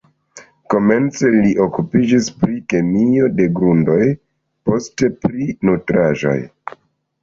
Komence li okupiĝis pri kemio de grundoj, poste pri nutraĵoj.